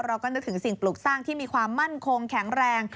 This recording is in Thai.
เราก็นึกถึงสิ่งปลูกสร้างที่มีความมั่นคงแข็งแรง